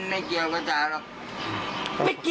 แล้วของจริงอยู่ที่ไหน